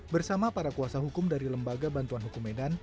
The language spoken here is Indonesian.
bersama para kuasa hukum dari lembaga bantuan hukum medan